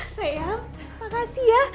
sayang makasih ya